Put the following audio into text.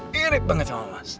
mirip banget sama mas